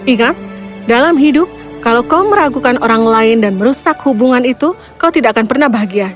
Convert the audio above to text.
ingat dalam hidup kalau kau meragukan orang lain dan merusak hubungan itu kau tidak akan pernah bahagia